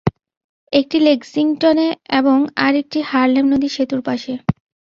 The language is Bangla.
একটি লেক্সিংটনে এবং আরেকটি হারলেম নদীর সেতুর পাশে।